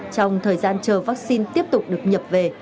trong thời gian chờ vaccine tiếp tục được nhập về